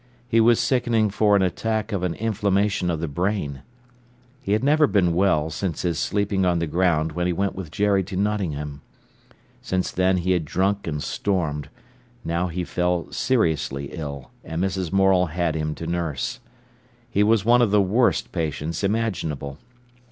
He was sickening for an attack of an inflammation of the brain. He had never been well since his sleeping on the ground when he went with Jerry to Nottingham. Since then he had drunk and stormed. Now he fell seriously ill, and Mrs. Morel had him to nurse. He was one of the worst patients imaginable.